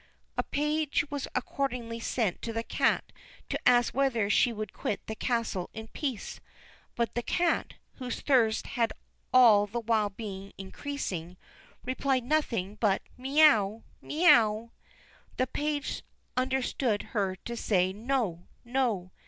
A page was accordingly sent to the cat to ask whether she would quit the castle in peace; but the cat, whose thirst had all the while been increasing, replied nothing but "Miau, miau!" The page understood her to say, "No, no!"